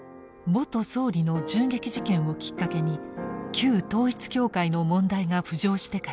元総理の銃撃事件をきっかけに旧統一教会の問題が浮上してから１年。